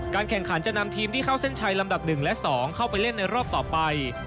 แข่งขันจะนำทีมที่เข้าเส้นชัยลำดับ๑และ๒เข้าไปเล่นในรอบต่อไป